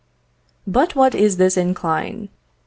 But what is this incline?